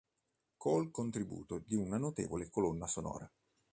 Col contributo di una notevole colonna sonora.